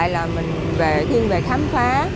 thì là mình thiên về khám phá